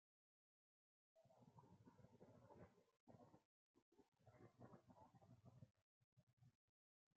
La laguna es tributaria del río Carpa, que luego desemboca en el río Marañón.